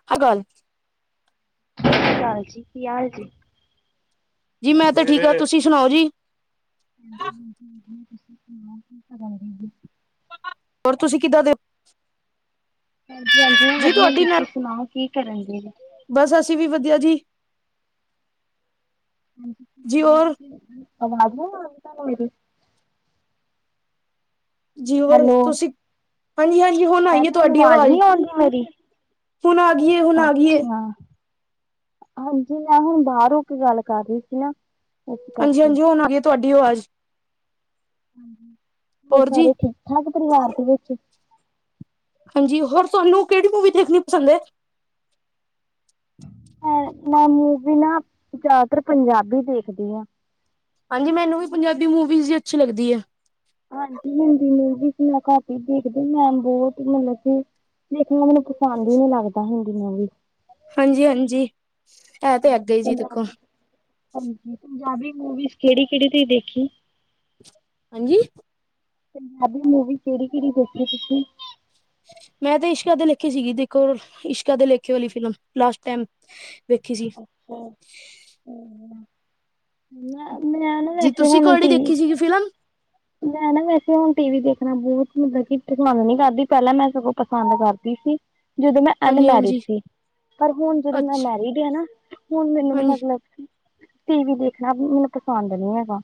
[unintelligible] ਸਤਿ ਸ਼੍ਰੀ ਅਕਾਲ ਜੀ, ਕੀ ਹਾਲ ਜੀ? ਜੀ ਮੈਂ ਤਾਂ ਠੀਕ ਹਾਂ, ਤੁਸੀਂ ਸੁਣਾਓ ਜੀ? [inaudible] ਹੋਰ ਤੁਸੀਂ ਕਿੱਦਾਂ ਦੇ ਹਾਂਜੀ-ਹਾਂਜੀ, ਜੀ ਵਧੀਆ ਤੁਹਾਡੀ ਤੁਸੀਂ ਨਾਲ ਸੁਣਾਓ? ਕੀ ਕਰਨਗੇ ਬਸ ਅਸੀਂ ਵੀ ਵਧੀਆ ਜੀ। ਜੀ ਹਾਂਜੀ ਹੋਰ ਦੀਦੀ ਆਵਾਜ਼ ਨਹੀਂ ਆ ਮੇਰੀ ਤੁਹਾਨੂੰ ਮੇਰੀ। ਜੀ ਹੋਰ ਹੈਲੋ, ਤੁਸੀਂ ਹਾਂਜੀ-ਹਾਂਜੀ, ਹੁਣ ਮੈਂ ਆਈ ਤੁਹਾਨੂੰ ਤੁਹਾਡੀ ਆਵਾਜ਼ ਅਵਾਜ਼। ਨੀ ਆਉਂਦੀ ਮੇਰੀ? ਹੁਣ ਆ ਗਈ ਹੈ, ਹੁਣ ਆ ਗਈ ਹੈ। ਅੱਛਾ, ਹਾਂਜੀ ਮੈਂ ਹੁਣ ਬਾਹਰ ਹੋ ਕੇ ਗੱਲ ਕਰ ਰਹੀ ਸੀ ਨਾ। ਇਸ ਕਰਕੇ, ਹਾਂਜੀ-ਹਾਂਜੀ ਹੁਣ ਆ ਗਈ ਹੈ, ਤੁਹਾਡੀ ਆਵਾਜ਼। ਹਾਂਜੀ, ਘਰ ਹੋਰ ਜੀ ਸਾਰੇ ਠੀਕ ਠਾਕ ਪਰਿਵਾਰ ਦੇ ਵਿੱਚ। ਹਾਂਜੀ, ਹੋਰ ਤੁਹਾਨੂੰ ਕਿਹੜੀ ਮੂਵੀ ਦੇਖਣੀ ਪਸੰਦ ਹੈ। ਮੈਂ ਮੂਵੀ ਨਾ ਜ਼ਿਆਦਾਤਰ ਪੰਜਾਬੀ ਦੇਖਦੀ ਹਾਂ। ਹਾਂਜੀ ਮੈਨੂੰ ਵੀ ਪੰਜਾਬੀ ਮੂਵੀਜ਼ ਹੀ ਅੱਛੀ ਲੱਗਦੀ ਹੈ। ਹਾਂਜੀ ਹਿੰਦੀ ਮੂਵੀਜ਼ ਮੈ ਘੱਟ ਹੀ ਦੇਖਦੀ ਹਾਂ, ਮੈ ਬਹੁਤ ਮਤਲਬ ਕਿ। ਦੇਖਣਾ, ਮੈਨੂੰ ਪਸੰਦ ਹੀ ਨੀ ਲੱਗਦਾ ਹਿੰਦੀ ਵੀ। ਹਾਂਜੀ, ਹਾਂਜੀ। ਇਹ ਤੇ ਅੱਗੇ ਜੀ ਪੰਜਾਬੀ, ਦੇਖੋ ਪੰਜਾਬੀ, ਪੰਜਾਬੀ ਮੂਵੀਜ਼ ਕਿਹੜੀ-ਕਿਹੜੀ ਤੁਸੀਂ ਦੇਖੀ? ਹੈਜੀ। ਪੰਜਾਬੀ ਮੂਵੀ ਕਿਹੜੀ-ਕਿਹੜੀ ਦੇਖੀ ਤੁਸੀਂ? ਮੈਂ ਤੇ ਇਸ਼ਕਾ ਦੇ ਲੇਖੇ ਸੀਗੀ ਦੇਖੋ, ਇਸ਼ਕਾ ਦੇ ਲੇਖੇ ਵਾਲੀ ਫਿਲਮ ਲਾਸਟ ਟਾਈਮ। ਵੇਖੀ ਸੀ। ਮੈਂ ਮੈਂ ਨਾ ਜੀ ਵੈਸੇ ਤੁਸੀਂ ਕਿਹੜੀ ਦੇਖੀ [unintelligible] ਸੀਗੀ ਫਿਲਮ। ਮੈਂ ਨਾ ਵੈਸੇ ਹੁਣ ਟੀ ਵੀ ਦੇਖਣਾ ਬਹੁਤ ਮਤਲਬ ਕਿ ਪਸੰਦ ਨਹੀਂ ਕਰਦੀ, ਪਹਿਲਾਂ ਮੈਂ ਸਗੋਂ ਪਸੰਦ ਕਰਦੀ ਸੀ। ਜਦੋਂ ਮੈਂ ਹਾਂਜੀ ਅਨਮੈਰਿਡ ਹਾਂਜੀ ਸੀ, ਪਰ ਹੁਣ ਜਦੋਂ ਮੈਂ ਅੱਛਾ ਮੈਰਿਡ ਆ ਨਾ। ਹੁਣ ਮੈਨੂੰ ਹਾਂਜੀ ਮਤਲਬ ਟੀ ਵੀ ਦੇਖਣਾ ਵੀ ਮੈਨੂੰ ਪਸੰਦ ਨੀ ਹੈਗਾ।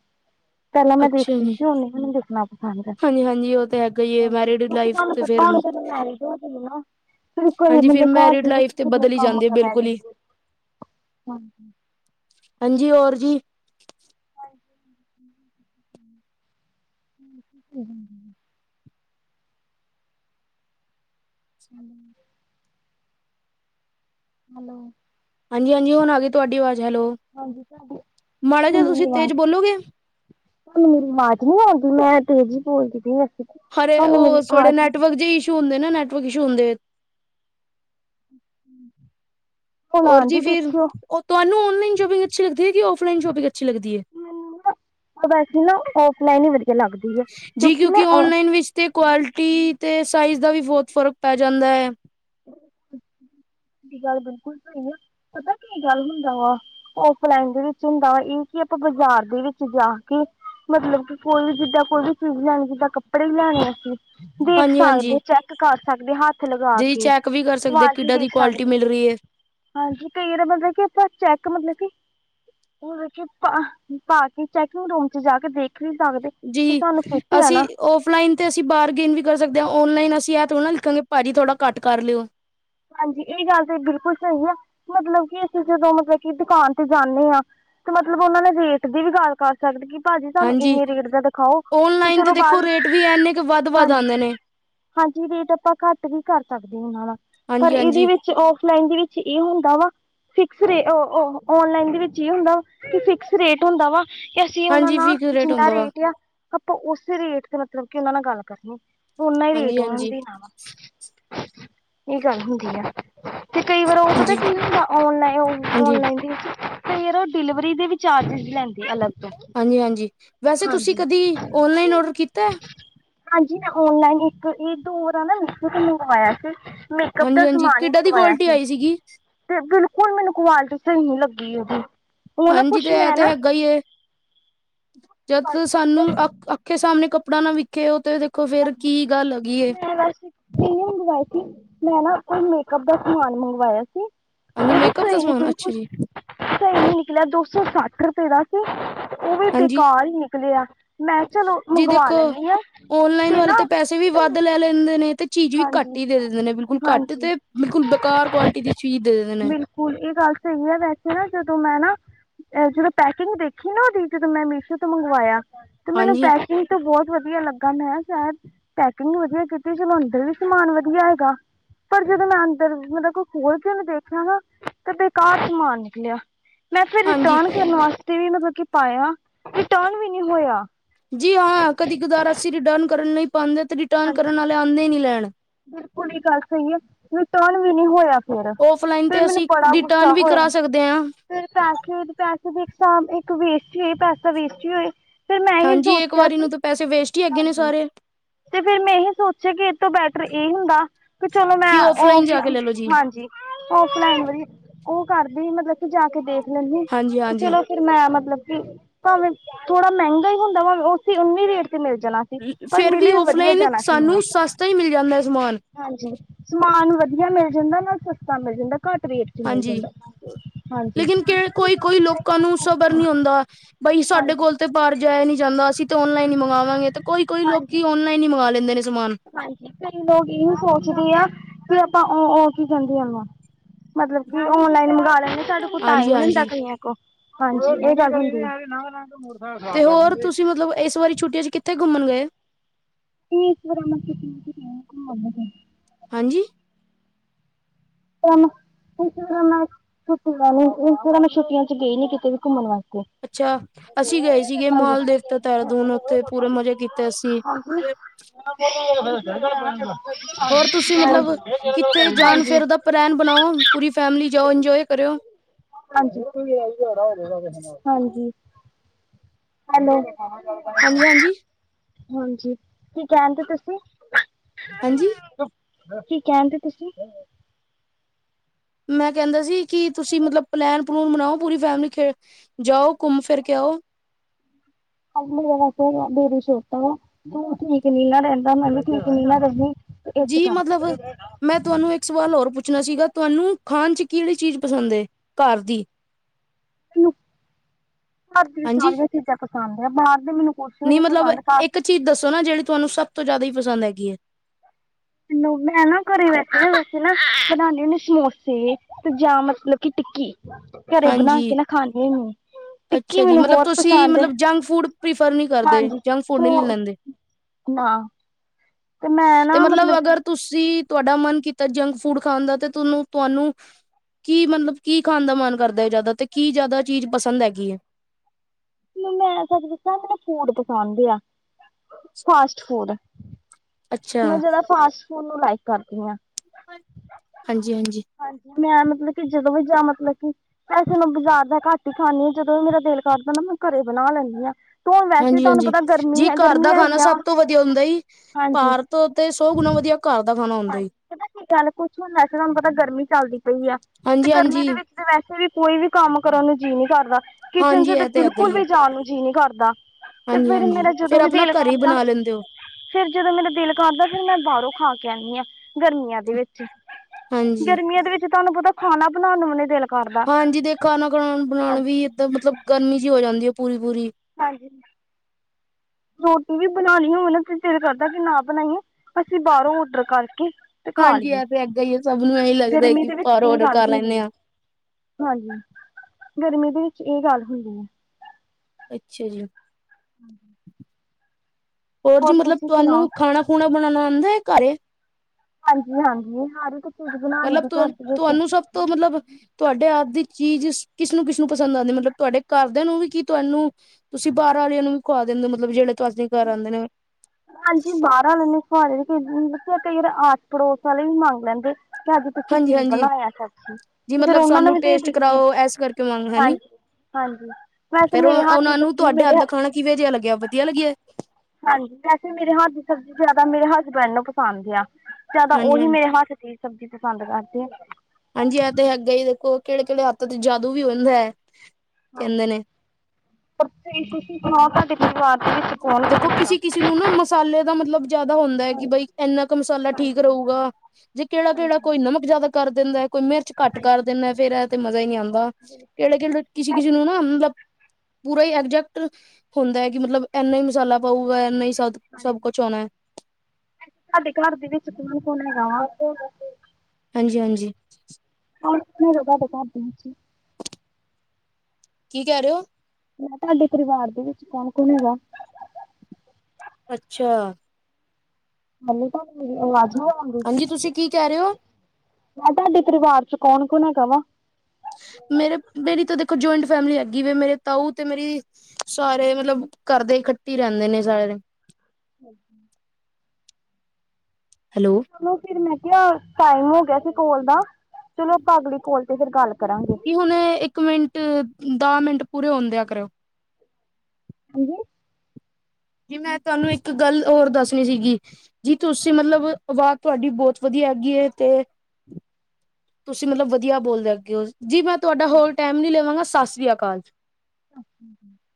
ਪਹਿਲਾਂ ਮੈਂ ਅੱਛਾ ਦੇਖਦੀ ਜੀ, ਸੀ। ਹੁਣ ਨਹੀਂ ਮੈਨੂੰ ਦੇਖਣਾ, ਪੰਸਦ ਹਾਂਜੀ-ਹਾਂਜੀ ਉਹ ਤਾਂ ਹੈਗਾ ਹੀ ਏ ਮੈਰਿਡ ਕਿਉਂਕਿ ਲਾਈਫ ਤੁਹਾਨੂੰ ਤੇ ਪਤਾ ਫੇਰ ਹੁਣ ਮੇਰੀ ਮੈਰਿਜ ਹੋ ਗਈ ਹੈ। ਫਿਰ ਕੋਈ ਹਾਂਜੀ ਫਿਰ ਮਤਲਬ ਘਰ ਮੈਰਿਡ ਦੇ ਲਾਈਫ ਵਿੱਚ ਤੇ ਕਿੰਨੇ ਬਦਲ ਹੀ ਕੰਮ ਜਾਂਦੀ ਏ ਕਰਾ ਰਹੇ ਬਿਲਕੁਲ ਹੀ, ਜਾਂਦੇ ਨੇ। ਹਾਂਜੀ, ਹੋਰ ਜੀ। ਹਾਂਜੀ। ਹੂੰ। ਹਾਂਜੀ। ਹੈਲੋ। ਹਾਂਜੀ-ਹਾਂਜੀ ਹੁਣ ਆ ਗਈ, ਤੁਹਾਡੀ ਆਵਾਜ਼ ਹੈਲੋ ਹਾਂਜੀ ਤੁਹਾਡੀ ਮਾੜਾ ਤੁਹਾਨੂੰ ਜਿਹਾ ਤੁਸੀਂ ਮੇਰੀ ਆਵਾਜ਼ ਤੇਜ ਬੋਲੋਗੇ। ਤੁਹਾਨੂੰ ਮੇਰੀ ਆਵਾਜ਼ ਨੀ ਆਉਂਦੀ ਮੈਂ ਤੇਜ਼ ਬੋਲਦੀ ਪਈ ਹੈ, ਵੈਸੇ। ਹਰੇ ਤੁਹਾਨੂੰ ਮੇਰੀ ਉਹ ਥੋੜੇ ਆਵਾਜ਼ ਨੈਟਵਰਕ ਜਿਹੇ ਇਸ਼ੂ ਹੁੰਦੇ, ਨਾ ਨੈਟਵਰਕ ਇਸ਼ੂ ਹੁੰਦੇ ਨੇ। ਹੂੰ। ਔਰ ਜੀ ਫਿਰ ਤੁਹਾਨੂੰ ਔਨਲਾਈਨ ਸ਼ੌਪਿੰਗ ਅੱਛੀ ਲੱਗਦੀ, ਕਿ ਔਫਲਾਈਨ ਅੱਛੀ ਲੱਗਦੀ ਹੈ। ਨਾ ਮੈਨੂੰ ਵੈਸੇ ਨਾ ਔਫਲਾਈਨ ਹੀ ਵਧੀਆ ਲੱਗਦੀ ਹੈ, ਜੀ ਕਿਉਂਕਿ ਮੈਂ। ਔਨਲਾਈਨ ਵਿੱਚ ਤੇ ਕੁਆਲਿਟੀ ਅਤੇ ਸਾਈਜ਼ ਦਾ ਵੀ ਬਹੁਤ ਫ਼ਰਕ ਪੈ ਜਾਂਦਾ ਹੈ। ਗੱਲ ਬਿਲਕੁਲ ਸਹੀ ਆ ਪਤਾ ਕੀ ਗੱਲ ਹੁੰਦਾ ਵਾ। ਔਫਲਾਈਨ ਦੇ ਵਿੱਚ ਹੁੰਦਾ ਵਾ, ਕਿਉਂਕਿ ਆਪਾਂ ਬਾਜ਼ਾਰ ਦੇ ਵਿੱਚ ਜਾ ਕੇ। ਮਤਲਬ ਕਿ ਕੋਈ ਵੀ ਜਿੱਦਾਂ ਕੋਈ ਵੀ ਚੀਜ਼ ਲੈਣੀ, ਜਿੱਦਾਂ ਕੱਪੜੇ ਵੀ ਲੈਣੇ ਅਸੀਂ। ਦੇਖ ਸਕਦੇ ਹਾਂਜੀ-ਹਾਂਜੀ, ਚੈੱਕ ਕਰ ਸਕਦੇ, ਹੱਥ ਲਗਾ ਜੀ ਕੇ ਚੈੱਕ ਵੀ ਕਰ ਸਕਦੇ ਕੁਆਲਿਟੀ ਕਿੱਦਾਂ ਦੀ ਦੇਖ ਸਕਦੇ। ਕੁਆਲਿਟੀ ਮਿਲ ਰਹੀ ਹੈ। ਹਾਂਜੀ, ਕਈ ਵਾਰੀ ਪਤਾ ਕਿ ਮਤਲਬ ਕਿ, ਆਪਾਂ ਚੈੱਕ ਮਤਲਬ ਕੀ। ਉਹ ਵਧੀਆ ਕੇ ਪਾ ਕੇ ਚੈਕਿੰਗ ਰੂਮ 'ਚ ਜਾ ਕੇ ਦੇਖ। ਵੀ ਸਕਦੇ ਕਿ, ਜੀ ਸਾਨੂੰ ਫਟੀ ਆ ਨਾ। ਅਸੀਂ ਔਫਲਾਈਨ ਤੇ ਅਸੀਂ ਬਾਹਰ ਗੇਨ ਵੀ ਕਰਦੇ ਹਾਂ, ਔਨਲਾਈਨ ਅਸੀਂ ਇਹ ਥੋੜ੍ਹਾ ਨਾ ਲਿਖਾਂਗੇ, ਭਾਰੀ ਥੋੜ੍ਹਾ ਘੱਟ ਕਰ ਲਿਓ। ਹਾਂਜੀ, ਇਹ ਗੱਲ ਤਾਂ ਬਿਲਕੁਲ ਸਹੀ ਆ ਮਤਲਬ ਕਿ ਅਸੀਂ ਜਦੋਂ ਮਤਲਬ ਕਿ ਦੁਕਾਨ ਤੇ ਜਾਂਦੇ ਹਾਂ। ਤੇ ਮਤਲਬ ਉਹਨਾ ਨੇ ਰੇਟ ਦੀ ਵੀ ਗੱਲ ਕਰਤੀ। ਸਕਦੇ ਕਿ, ਭਾਜੀ ਤੁਹਾਨੂੰ ਹਾਂਜੀ ਇੰਨੇ ਰੇਟ ਦਾ ਦਿਖਾਓ, ਤੇ ਔਨਲਾਈਨ ਚਲੋ ਬਾਅਦ ਦੇਖੋ ਵਿੱਚ ਰੇਟ ਵੀ ਇੰਨੇ ਕੁ ਵੱਧ ਵੱਧ ਹਾਂਜੀ। ਆਉਂਦੇ ਨੇ ਹਾਂਜੀ ਰੇਟ ਆਪਾਂ ਘਟ ਵੀ ਕਰ ਸਕਦੇ, ਉਹਨਾ ਦਾ ਪਰ ਹਾਂਜੀ ਇਹਦੇ ਹਾਂਜੀ ਵਿਚ ਔਫਲਾਈਨ ਦੇ ਵਿਚ ਇਹ ਹੁਦਾ ਵਾ ਫਿਕਸ ਰੇ ਔਨਲਾਈਨ ਦੇ ਵਿਚ ਇਹ ਹੁੰਦਾ ਵਾ, ਕਿ ਫਿਕਸ ਰੇਟ ਹੁਦਾ ਵਾ ਕਿ ਅਸੀ ਉਹਨਾ ਹਾਂਜੀ ਨਾਲ ਫਿਕਸ ਜਿਨਾ ਹੁੰਦਾ ਵਾ ਰੇਟ ਆ ਆਪਾਂ ਉਸੇ ਰੇਟ ਤੇ ਮਤਲਬ ਕਿ, ਉਹਨਾ ਨਾਲ ਗਲ ਕਰਨੀ ਉਹਨਾ ਹੀ ਰੇਟ ਹਾਂਜੀ ਉਹਨਾਂ ਹਾਂਜੀ ਦੀ ਨਾ ਵਾ ਇਹ ਗਲ ਹੁਦੀ ਹੈ, ਤੇ ਕਈ ਵਾਰ ਉਹ ਪਤਾ ਹਾਂਜੀ ਕੀ ਹੁੰਦਾ ਲਾ ਹਾਂਜੀ ਲਾਈਨ ਵਿਚ ਤੇ ਯਾਰ ਉਹ ਡਿਲੀਵਰੀ ਦੇ ਵੀ ਚਾਰਜਿਸ ਲੈਦੀ ਅਲਗ ਹਾਂਜੀ-ਹਾਂਜੀ ਵੈਸੇ ਤੁਸੀ ਕਦੀ ਓਨਲਾਈਨ ਔਡਰ ਕੀਤਾ? ਹਾਂਜੀ ਮੈਂ ਔਨਲਾਈਨ ਇਕ ਇਹ ਦੋਰ ਨਾ ਲੈਨੂੰ ਆਇਆ ਸੀ। ਮੇਕਅਪ ਹਾਂਜੀ ਦਾ ਹਾਂਜੀ ਸਮਾਨ ਹੀ ਕਿੱਦਾਂ ਦੀ ਮੰਗਵਾਇਆ ਕੁਆਲਿਟੀ ਸੀ। ਆਈ ਸੀਗੀ ਤੇ ਬਿਲਕੁਲ ਮੈਨੂੰ ਕੁਆਲਿਟੀ ਸਹੀ ਨੀ ਲਗੀ ਇਹਦੀ ਹਾਂਜੀ ਤੇ ਇਹ ਤੇ ਹੈਗਾ, ਜਦ ਨਾ ਸਾਨੂੰ ਅ ਅਖੇ ਸਾਹਮਣੇ ਕੱਪੜਾ ਨਾ ਵਿਖੇ, ਉਹ ਤੇ ਦੇਖੋ ਫੇਰ ਕੀ ਗਲ ਹੈਗੀ ਇਹ ਮੰਗਵਾਏ ਸੀ ਮੈਂ ਨਾ ਕੋਈ ਮੇਕਅਪ ਦਾ ਸਮਾਨ ਮੰਗਵਾਇਆ ਸੀ। ਹਾਂਜੀ ਮੇਕਅਪ ਦਾ ਸਹੀ ਨ ਸਮਾਨ ਬਿਲਕੁਲ ਅੱਛਾ ਜੀ ਸਹੀ ਨ ਨਿਕਲਿਆ ਦੋ ਸੌ ਸੱਠ ਰੁਪਏ ਦਾ ਸੀ। ਉਹ ਵੀ ਹਾਂਜੀ ਬੇਕਾਰ ਹੀ ਨਿਕਲਿਆ ਮੈ ਚਲੋ ਜੀ ਮੰਗਵਾ ਦੇਖੋ ਲੈਂਦੀ ਹਾਂ ਔਨਲਾਈਨ ਤੇ ਵਾਲੇ ਨਾ ਤੇ ਪੈਸੇ ਵੀ ਵਧ ਲੈ ਲੈਂਦੇ ਨੇ ਤੇ ਚੀਜ਼ ਵੀ ਹਾਂਜੀ ਘਟ ਹੀ ਦੇ ਦਿਦੇ ਨੇ ਬਿਲਕੁਲ ਘਟ ਹਾਂਜੀ ਤੇ ਬਿਲਕੁਲ ਬੇਕਾਰ ਕੁਆਲਿਟੀ ਦੀ ਚੀਜ਼ ਦੇ ਦਦੇ ਨੇ ਹੋਰ ਇਹ ਗਲ ਸਹੀ ਹੈ। ਵੈਸੇ ਨਾ ਜਦੋ ਮੈ ਨਾ ਜਦੋਂ ਪੈਕਿੰਗ ਦੇਖੀ ਨਾ ਉਹਦੀ ਜਦੋ ਮੈਂ ਮੀਸ਼ੋ ਤੋ ਮੰਗਵਾਇਆ ਤੇ ਮੈਨੂੰ ਹਾਂਜੀ ਪੈਕਿੰਗ ਤੋਂ ਬਹੁਤ ਵਧੀਆ ਲਗ ਮੈ ਸ਼ਾਇਦ ਪੈਕਿੰਗ ਵਧੀਆ ਕੀਤੀ ਸੀ। ਫਰ ਵੀ ਸਮਾਨ ਵਧੀਆ ਹੈਗਾ- ਪਰ ਜਦੋਂ ਮੈਂ ਅੰਦਰ ਮਤਲਬ ਕੋਈ ਖੋਲ ਕੇਨ ਦੇਖਿਆ ਨਾ ਤੇ ਬੇਕਾਰ ਸਮਾਨ ਨਿਕਲਿਆ, ਮੈਂ ਫੇਰ ਹਾਂਜੀ ਰਿਟਰਨ ਕਰਨ ਵਾਸਤੇ ਵੀ ਮਤਲਬ ਕਿ ਪਾਇਆ ਰਿਟਰਨ ਵੀ ਨਹੀ ਹੋਇਆ ਜੀ ਹਾਂ ਕਦੀ ਕਦਾਰ ਅਸੀਂ ਰਿਟਰਨ ਕਰਨ ਲਈ ਪਾਉਦੇ ਤੇ ਰਿਟਰਨ ਕਰਨ ਵਾਲੇ ਆਉਦੇ ਨਹੀਂੀ ਲੈਣ ਬਿਲਕੁਲ ਇਹ ਗਲ ਸਹੀ ਹੈ। ਰਿਟਰਨ ਵੀ ਨੀ ਹੋਇਆ। ਫਿਰ ਔਫਲਾਈਨ ਫਿਰ ਤੇ ਮੈਨੂੰ ਅਸੀਂ ਬੜਾ ਗੁਸਾ ਰਿਟਰਨ ਵੀ ਹੋਇਆ ਕਰਾ ਸਕਦੇ ਹਾਂ ਫਿਰ ਪੈਸੇ ਪੈਸੇ ਦੀ ਇਕ ਸ ਇਕ ਵੇਸਟ ਹੋਏ ਪੈਸਾ ਵੇਸਟ ਹੀ ਹੋਏ ਫਿਰ ਮੈਂ ਇਹੀ ਹਾਂਜੀ ਇਕ ਸੋਚਿਆ ਵਾਰੀ ਕਿ ਨੂੰ ਤਾਂ ਪੈਸੇ ਵੇਸਟ ਹੀ ਹੈਗੇ ਨੇ ਸਾਰੇ- ਤੇ ਫੇਰ ਮੈ ਇਹੀ ਸੋਚਿਆ ਕਿ ਇਹ ਤੋ ਬੈਟਰ ਇਹ ਹੁਦਾ ਵੀ ਚਲੋ ਮੈ ਕਿ ਉਹ ਔਫਲਾਈਨ ਜਾ ਫ ਕੇ ਲੈ ਲੋ ਜੀ ਹਾਂਜੀ ਉਹ ਭਲਾ ਵਾਰੀ ਉਹ ਕਰਦੀ ਮਤਲਬ ਕਿ ਜਾ ਕੇ ਦੇਖ ਲੈਂਦੀ ਹਾਂਜੀ ਤੇ ਹਾਂਜੀ ਚਲੋ ਫਿਰ ਮੈਂ ਮਤਲਬ ਕਿ ਭਾਵੇ ਥੋੜਾ ਮਹਿਗਾ ਹੀ ਹੁਦਾ ਭਾਵੇ ਉਸੇ ਉੇ ਰੇਟ ਤੇ ਮਿਲ ਜਾਣਾ ਸੀ ਪਰ ਫੇਰ ਵੀ ਮਿਲੀ ਵਧੀਆ ਔਫਲਾਈਨ ਜਾਣਾ ਸਾਨੂੰ ਸਸਤਾ ਹੀ ਮਿਲ ਜਾਦਾ ਸਮਾਨ ਹਾਂਜੀ ਸਮਾਨ ਵਧੀਆ ਮਿਲ ਜਾਂਦਾ ਨਾ ਸਸਤਾ ਮਿਲ ਜਾਂਦਾ ਘਟ ਰੇਟ 'ਚ ਮਿਲ ਹਾਂਜੀ ਜਾਦਾ ਲੇਕਿਨ ਕਿ ਕੋਈ ਕੋਈ ਲੋਕਾਂ ਨੂੰ ਸਬਰ ਨਹੀ ਆਉਦਾ ਬਾਈ ਸਾਡੇ ਕੋਲ ਤੇ ਪਰਰ ਜਾਇਆ ਨੀ ਜਾਂਦਾ ਅਸੀ ਤੇ ਔਨਲਾਈਨ ਹੀ ਮੰਗਵਾਵਾਂਗੇ ਤੇ ਕੋਈ ਕੋਈ ਲੋਕੀ ਓਨਲਾਈਨ ਹੀ ਮੰਗਗਾ ਲੈਂਦੇ ਨੇ ਸਮਾਨ ਹਾਂਜੀ ਕਈ ਲੋਕ ਇਹਹੀ ਸੋਚਦੇ ਆ ਕਿ ਆਪਾ ਉਹ ਉਹ ਕੀ ਕਹਿਦੇ ਆ ਮਤਲਬ ਕਿ ਔਨਲਾਈਨ ਮੰਗਵਾ ਲੈਂਦੇ ਹਾਂਜੀ ਟਾਈਮ ਨ ਹੁਦਾ ਹਾਂਜੀ ਕਈਆਂ ਕੋਲ ਹਾਂਜੀ ਇਹ ਤੇ ਹੋਰ ਤੁਸੀ ਮਤਲਬ ਇਸ ਵਾਰੀ ਛੁੱਟੀਆਂ 'ਚ ਕਿਥੇ ਘੁੰਮਣ ਗਏ ਤੇਸ਼ਰਾ [unintelligible] ਹਾਂਜੀ- ਤਰ ਮੈਂ ਛੁੱਟੀਆਂ ਨੀ ਇਸ ਤਰ੍ਹਾ ਮੈ ਛੁੱਟੀਆਂ 'ਚ ਗਈ ਨੀ ਕਿਤੇ ਵੀ ਘੁੰਮਣ ਵਾਸਤੇ ਅੱਛਾ ਅਸੀਂ ਗਏ ਸੀਗੇ ਹਾਂਜੀ ਮਾਲਦੇਵ ਤੇ ਦੇਹਰਾਦੂਨ ਉੱਥੇ ਪੂਰੇ ਮਜ਼ੇ ਕੀਤੇ ਅਸੀਂ ਹੋਰ ਤੁਸੀਂ ਮਤਲਬ ਕਿੱਥੇ [unintelligible] ਜਾਣ ਹਾਂਜੀ ਫਿਰ [unintelligible] ਦਾ ਪਲੈਨ ਬਣਾਓ ਪੂਰੀ ਫੈਮਲੀ ਜਾਓ ਇੰਜੋਏ ਕਰਿਓ ਹਾਂਜੀ- ਹਾਂਜੀ- ਹਲੋ- ਹਾਂਜੀ- ਹਾਂਜੀ- ਹਾਂਜੀ ਕੀ ਕਹਿਣਦੇ ਤੁਸੀ ਹਾਂਜੀ ਕੀ ਕਹਿਣਦੇ ਤੁਸੀਂ ਮੈਂ ਕਹਿੰਦਾ ਸੀ ਕਿ ਤੁਸੀਂ ਮਤਲਬ ਪਲੈਨ ਪਲੂਨ ਬਨਾਓ ਪੂਰੀ ਫੈਮਿਲੀੇ ਜਾਓ ਘੁੰਮ ਫਿਰ ਕੇ ਆਓ। [unintelligible] ਤੇ ਠੀਕ ਨੀ ਨਾ ਰਹਿੰਦਾ ਮੈਂ ਵੀ ਠੀਕ ਨੀ ਨਾ ਰਹਿੰਦੀ। ਤੇ ਇਸ ਜੀ ਕਰਕੇ ਮਤਲਬ ਮੈਂ ਤੁਹਾਨੂੰ ਇੱਕ ਸਵਾਲ ਹੋਰ ਪੁੱਛਣਾ ਸੀਗਾ, ਤੁਹਾਨੂੰ ਖਾਣ ਚ ਕਿਹੜੀ ਚੀਜ਼ ਪਸੰਦ ਹੈ ਘਰ ਦੀ ਮੈਨੂੰ ਘਰ ਦੀਆਂ ਹਾਂਜੀ ਸਾਰੀਆਂ ਚੀਜ਼ਾਂ ਪਸੰਦ ਆ ਬਾਹਰ ਦੇ ਮੈਨੂੰ ਕੁਛ ਵੀ ਨਹੀਂ ਨੀ ਮਤਲਬ ਪਸੰਦ ਘਰ ਇੱਕ ਚੀਜ਼ ਦੱਸੋ ਨਾ ਜਿਹੜੀ ਤੁਹਾਨੂੰ ਸਭ ਤੋਂ ਜ਼ਿਆਦਾ ਹੀ ਪਸੰਦ ਹੈਗੀ ਹੈ। ਨੂੰ ਮੈਂ ਨਾ ਘਰੇ ਵੈਠੇ ਵਸੀੇ ਨਾ ਬਣਾਨਣੀ ਹੁੰਦੀ ਸਮੋਸੇ ਤੇ ਜਾਂ ਮਤਲਬ ਕੀ ਟਿੱਕੀ ਘਰੇ ਬਣਾ ਹਾਂਜੀ ਕੇ ਨਾ ਖਾਣੀ। ਅੱਛਾ ਜੀ ਮਤਲਬ ਤੁਸੀਂ ਮਤਲਬ ਜੰਕ ਫੂਡ ਪ੍ਰੀਫਰ ਨਹੀਂ ਕਰਦੇ ਹਾਂਜੀ ਜੰਕ ਫੂਡ ਫੂ ਨਹੀਂ ਲੈਂਦੇ। ਨਾ ਤੇ ਮੈਂ ਤੇ ਨਾ ਮਤਲਬ ਕਿ ਅਗਰ ਤੁਸੀਂ। ਤੁਹਾਡਾ ਮਨ ਕੀਤਾ ਜੰਕ ਫੂਡ ਖਾਣ ਦਾ ਤੇ ਤੁਹਾਨੂੰ ਤੁਹਾਨੂੰ ਕੀ ਮਤਲਬ ਕੀ ਖਾਣ ਦਾ ਮਨ ਕਰਦਾ ਹੈ ਜ਼ਿਆਦਾ ਤੇ ਕੀ ਜਿਆਦਾ ਚੀਜ਼ ਪਸੰਦ ਹੈਗੀ। ਮੈਂ ਸ ਦੱਸਣਾ ਮੈਨੂੰ ਫੂਡ ਪਸੰਦ ਆ ਫਾਸਟ ਫੂਡ ਅੱਛਾ ਮੈਂ ਜਾਦਾ ਫਾਸਟ ਫੂਡ ਨੂੰ ਲਾਈਕ ਕਰਦੀ ਹਾਂ। ਹਾਂਜੀ, ਹਾਂਜੀ ਹਾਂਜੀ ਮੈਂ ਮਤਲਬ ਕਿ ਜਦੋਂ ਵੀ ਜਾ ਮਤਲਬ ਕਿ ਵੈਸੇ ਮੈਂ ਬਾਜ਼ਾਰ ਦਾ ਘਟ ਹੀ ਖਾਂਦੀ ਆ ਜਦੋਂ ਵੀ ਮੇਰਾ ਦਿਲ ਕਰਦਾ ਮੈਂ ਘਰੇ ਬਣਾ ਲੈਂਨੀ ਹਾਂ। ਹੁਣ ਵੈਸੇ ਵੀ ਹਾਂਜੀ, ਤੁਹਾਨੂੰ ਹਾਂਜੀ ਪਤਾ ਗਰਮੀ ਜੀ ਹੈ ਘਰ ਦਾ ਗਰਮੀਆਂ ਖਾਣਾ ਹੈਗੀਆਂ ਸਭ ਤੋਂ ਵਧੀਆ ਹੁੰਦੈ ਜੀ ਹਾਂਜੀ ਬਾਹਰ ਤੋਂ ਤੇ ਸੌ ਗੁਣਾ ਵਧੀਆ ਘਾਰ ਦਾ ਖਾਣਾ ਹੁੰਦਾ ਜੀ ਹਾਂਜੀ ਪਤਾ ਕੀ ਗਲ ਏ ਕੁੱਛ ਨੀ ਵੈਸੇ ਤੁਹਾਨੂੰ ਪਤਾ ਗਰਮੀ ਚੱਲਦੀ ਪਈ ਆ ਤੇ ਗਰਮੀ ਹਾਂਜੀ-ਹਾਂਜੀ। ਦੇ ਵਿੱਚ ਵੈਸੇ ਵੀ ਕੋਈ ਵੀ ਕੰਮ ਕਰਨ ਨੂੰ ਜੀਅ ਨਹੀ ਕਰਦਾ, ਹਾਂਜੀ ਕਿਚਨ ਹਾਂਜੀ ਚ ਤੇ ਇਹ ਹੈਗਾ ਬਿਲਕੁਲ ਹੀ ਵੀ ਹੈ ਜਾਣ ਨੂੰ ਜੀਅ ਨਹੀਂ ਕਰਦਾ। ਤੇ ਫੇਰ ਹਾਂਜੀ-ਹਾਂਜੀ ਮੇਰਾ ਜਦੋਂ ਫੇਰ ਵੀ ਆਪਣਾ ਦਿਲ ਘਰ ਹੀ ਕਰਦਾ। ਬਣਾ ਲੈਂਦੇ ਹੋ ਫੇਰ ਜਦੋਂ ਮੇਰਾ ਦਿਲ ਕਰਦਾ ਫਿਰ ਮੈਂ ਬਾਹਰੋਂ ਖਾ ਕੇ ਆਂਦੀ ਹਾਂ ਗਰਮੀਆਂ ਦੇ ਵਿੱਚ ਹਾਂਜੀ। ਗਰਮੀਆਂ ਦੇ ਵਿੱਚ ਤੁਹਾਨੂੰ ਪਤਾ ਖਾਣਾ ਬਣਾਣ ਨੂੰ ਵੀ ਦਿਲ ਕਰਦਾ ਹਾਂਜੀ ਤੇ ਖਾਣਾ, ਖਾਣ ਬਣਾਉਣ ਵੀ ਏਦਾਂ ਮਤਲਬ ਗਰਮੀ ਚ ਹੋ ਜਾਂਦੀ ਹੈ ਪੂਰੀ -ਪੂਰੀ ਹਾਂਜੀ ਰੋਟੀ ਵੀ ਬਣਾਣੀ ਹੋਵੇੈ ਨਾ ਤੇ ਦਿਲ ਕਰਦਾ ਕਿ ਨਾ ਬਣਾਈਏ। ਅਸੀਂ ਬਾਹਰੋਂ ਔਡਰ ਕਰਕੇ ਤੇ ਖਾ ਹਾਂਜੀ ਲਈ ਇਹ ਤੇ ਹੈਗਾ ਹੀ ਹੈ ਸਭ ਨੂੰ ਇਹੀ ਲੱਗਦਾ ਹੈ ਗਰਮੀ ਕਿ ਦੇ ਵਿੱਚ ਬਾਹਰੋਂ ਇਹ ਔਡਰ ਗੱਲ ਕਰ ਹੁੰਦੀ ਲੈਂਦੇ ਹੈ। ਹਾਂ ਹਾਂਜੀ ਗਰਮੀ ਦੇ ਵਿੱਚ ਇਹ ਗੱਲ ਹੁੰਦੀ ਹੈ। ਅੱਛਾ ਜੀ। ਹਮ ਹੋਰ ਜੀ ਮਤਲਬ ਸੁਣਾਓ ਤੁਹਾਨੂੰ ਖਾਣਾ ਖੁਣਾ ਬਣਾਣਾ ਆਂਦਾ ਹੈ ਘਰੇ ਹਾਂਜੀ, ਹਾਂਜੀ ਹਰ ਇਕ ਮਤਲਬ ਤੁਹਾਨੂੰ ਸਭ ਤੋਂ ਮਤਲਬ ਤੁਹਾਡੇ ਹੱਥ ਦੀ ਚੀਜ਼ ਕਿਸਨੂੰ ਕਿਸ ਨੂੰ ਪਸੰਦ ਆਂਦੀ ਮਤਲਬ ਤੁਹਾਡੇ ਘਰਦੇ ਨੂੰ ਵੀ ਕੀ ਤੁਹਾਨੂੰ ਤੁਸੀਂ ਬਾਹਰ ਆਲਿਆਂ ਨੂੰ ਵੀ ਖਵਾ ਦਿੰਦੇ ਹੋ ਮਤਲਬ ਜਿਹੜੇ ਤੁਹਾਡੇ ਘਰ ਆਂਦੇ ਨੇ ਹਾਂਜੀ ਬਾਹਰਾਂ ਆਲੇ ਨੂੰ ਖੁਆ ਦੇ ਕਈ ਵਾਰ ਆਸ ਪੜੋਸ ਵਾਲੇ ਵੀ ਮੰਗ ਲੈਂਦੇ ਤੇ ਅੱਜ ਤੁਸੀਂ ਹਾਂਜੀ ਕੀ ਹਾਂਜੀ ਬਣਾਇਆ ਸਬਜ਼ੀ ਜੀ ਤੇ ਫੇਰ ਮਤਲਬ ਉਹਨਾਂ ਨੇ ਸਾਨੂੰ ਵੀ ਦੇ ਟੇਸਟ ਦਿੱਤੀ ਐ, ਕਰਾਓ ਇਸ ਕਰਕੇ ਮੰਗ ਹੈਨੀ ਹਾਂਜੀ। ਹਾਂਜੀ ਵੈਸੇ ਫੇਰ ਮੇਰੇ ਹੱਥ ਦੀ ਉਹਨਾਂ ਨੂੰ ਸਬਜ਼ੀ ਤੁਹਾਡੇ ਹੱਥ ਮੇਰੇ ਦਾ ਖਾਣਾ ਕਿਵੇਂ ਜੇ ਲੱਗਿਆ ਵਧੀਆ ਲੱਗਿਆ। ਹਾਂਜੀ, ਵੈਸੇ ਮੇਰੇ ਹੱਥ ਦੀ ਸਬਜ਼ੀ ਜ਼ਿਆਦਾ ਮੇਰੇ ਹਸਬੈਂਡ ਨੂੰ ਪਸੰਦ ਆ। ਜਿਆਦਾ ਹਾਂਜੀ ਉਹੀ ਹਾਂਜੀ ਮੇਰੇ ਹੱਥ ਦੀ ਸਬਜ਼ੀ ਪਸੰਦ ਕਰਦੇ ਆ। ਹਾਂਜੀ ਇਹ ਤੇ ਹੈਗਾ ਹੀ ਦੇਖੋ ਕਿਹੜੇ ਕਿਹੜੇ ਹੱਥ ਤੇ ਜਾਦੂ ਵੀ ਹੁੰਦੈ ਕਹਿੰਦੇ ਨੇ ਪਰ ਤੁਸੀਂ ਸੁਣਾਓ ਤੁਹਾਡੇ ਪਰਿਵਾਰ ਦੇ ਵਿੱਚ ਕੌਣ ਕੌਣ ਦੇਖੋ ਹੈਗਾ ਕਿਸੇ, ਕਿਸੇ ਨੂੰ ਨਾ ਮਸਾਲੇ ਦਾ ਮਤਲਬ ਜ਼ਿਆਦਾ ਹੁੰਦੈ, ਕਿ ਬਈ ਇੰਨਾ ਕੁ ਮਸਾਲਾ ਠੀਕ ਰਹੂਗਾ। ਜੇ ਕਿਹੜਾ, ਕਿਹੜਾ ਕੋਈ ਨਮਕ ਜਿਆਦਾ ਕਰ ਦਿੰਦਾ ਕੋਈ ਮਿਰਚ ਘੱਟ ਕਰ ਦਿੰਦਾ ਫੇਰ ਇਹ ਤੇ ਮਜ਼ਾ ਹੀ ਨਹੀਂ ਆਉਂਦਾ। ਕੇੜੇ ਕੈਂਦੇ ਕਿਸੀ ਕਿਸੀ ਨੂੰ ਨਾ ਮਤਲਬ ਪੂਰਾ ਈ ਐਗਜੈਟ ਹੁੰਦੈ ਕੀ ਮਤਲਬ ਐਨਾ ਈ ਮਸਾਲਾ ਪਊਗਾ ਐਨਾ ਈ ਸਦ [inaudible] ਤਾਡੇ ਘਰ ਦੇ ਵਿੱਚ ਕੌਣ ਕੌਣ ਹੈਗਾ ਵਾ [unintelligible] ਹਾਂਜੀ-ਹਾਂਜੀ [unintelligible] ਦੇ ਘਰ ਦੇ ਵਿਚ ਈ ਕੀ ਕਹਿ ਰੇ ਓ? ਮ ਤੁਹਾਡੇ ਪਰਿਵਾਰ ਦੇ ਵਿੱਚ ਕੌਣ-ਕੌਣ ਹੈਗਾ? ਅੱਛਾ। ਹੱਲ ਤਾਂ [unintelligible] ਆਵਾਜ਼ ਨੀ ਆਉਂਦੀ ਹਾਂਜੀ ਤੁਸੀਂ ਕੀ ਕਹਿ ਰਹੇ ਹੋ ਮੈਂ ਤੁਹਾਡੇ ਪਰਿਵਾਰ ਚ ਕੌਣ-ਕੌਣ ਹੈਗਾ ਵਾ? ਮੇਰੇ ਮੇਰੀ ਤਾਂ ਦੇਖੋ ਜੁਅਇੰਟ ਫੈਮਿਲੀ ਹੈਗੀ ਵੇ ਮੇਰੇ ਤਾਊ ਤੇ ਮੇਰੀ ਸਾਰੇ ਮਤਲਬ ਘਰਦੇ ਇਕੱਠੇ ਰੈਂਦੇ ਨੇ ਸਾਰੇ। [unintelligible] ਹੈਲੋ। ਚਲੋ ਫਿਰ ਮੈਂ ਕਿਆ ਟਾਈਮ ਹੋ ਗਿਆ ਸੀ ਸਕੂਲ ਦਾ। ਚਲੋ, ਆਪਾਂ ਅਗਲੀ ਕੋਲ ਤੇ ਫਿਰ ਗੱਲ ਕਰਾਂਗੇ। ਹੁਨੇ ਇੱਕ ਇੱਕ ਮਿੰਟ ਦਾ ਮਿੰਟ ਪੂਰੇ ਹੋਣ ਦਿਆ ਕਰੋ। ਹੈਂਜੀ? ਜੀ ਮੈਂ ਤੁਹਾਨੂੰ ਇੱਕ ਗੱਲ ਹੋਰ ਦੱਸਣੀ ਸੀਗੀ। ਜੀ ਤੁਸੀਂ ਮਤਲਬ ਆਵਾਜ਼ ਤੁਹਾਡੀ ਬਹੁਤ ਵਧੀਆ ਹੈਗੀ ਏ ਤੇ ਤੁਸੀਂ ਮਤਲਬ ਵਧੀਆ ਬੋਲਦੇ ਓ ਜੀ ਮੈਂ ਤੁਹਾਡਾ ਹੋਰ ਟਾਈਮ ਨੀ ਲਵਾਂਗਾ ਸਤਿ ਸ੍ਰੀ ਅਕਾਲ। ਅੱਛਾ।